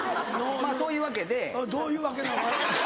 そういうわけで。どういうわけなのか。